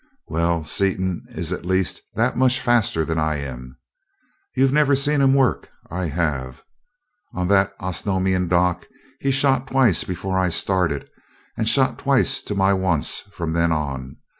"Well, Seaton is at least that much faster than I am. You've never seen him work I have. On that Osnomian dock he shot twice before I started, and shot twice to my once from then on.